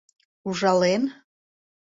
Ужален?